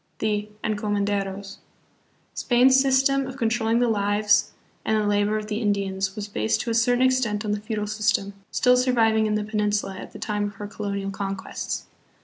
"The Encomenderos." Spain's system of controlling the lives and the labor of the Indians was based to a cer tain extent on the feudal system, still surviving in the Peninsula at the time of her colonial conquests.